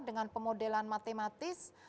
dengan pemodelan matematis